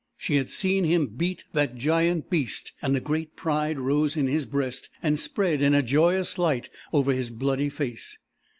She had seen him beat that giant beast, and a great pride rose in his breast and spread in a joyous light over his bloody face.